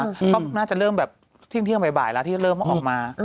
ก็น่าจะเริ่มแบบเที่ยงบ่ายแล้วที่เริ่มออกมา